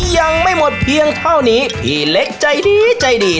ยังไม่หมดเพียงเท่านี้พี่เล็กใจดีใจดี